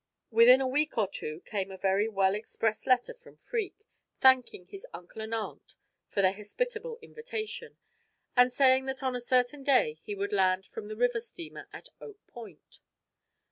Within a week or two came a very well expressed letter from Freke, thanking his uncle and aunt for their hospitable invitation, and saying that on a certain day he would land from the river steamer at Oak Point.